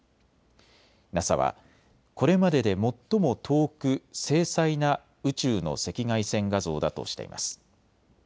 ＮＡＳＡは、これまでで最も遠く精細な宇宙の赤外線画像だとしています。